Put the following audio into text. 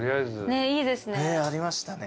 ありましたね。